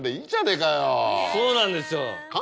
そうなんですよ。